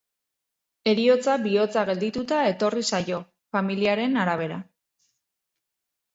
Heriotza bihotza geldituta etorri zaio, familiaren arabera.